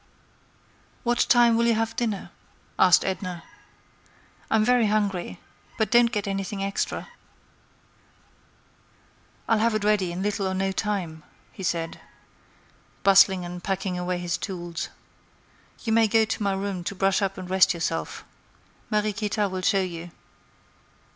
"What time will you have dinner?" asked Edna. "I'm very hungry; but don't get anything extra." "I'll have it ready in little or no time," he said, bustling and packing away his tools. "You may go to my room to brush up and rest yourself. Mariequita will show you."